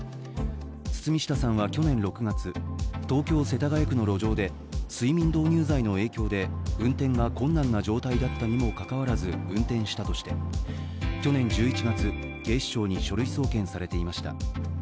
堤下さんは去年６月、東京・世田谷区の路上で睡眠導入剤の影響で運転が困難な状態だったにもかかわらず運転したとして去年１１月、警視庁に書類送検されていました。